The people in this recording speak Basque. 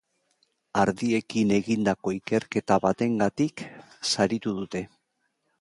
Ardiekin egindako ikerketa batengatik saritu dute.